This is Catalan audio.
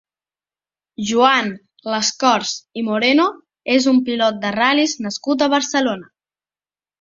Joan Lascorz i Moreno és un pilot de ral·lies nascut a Barcelona.